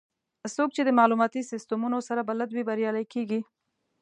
څوک چې د معلوماتي سیستمونو سره بلد وي، بریالي کېږي.